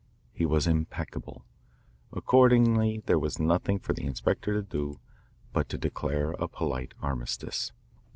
He was impeccable. Accordingly there was nothing for the inspector to do but to declare a polite armistice.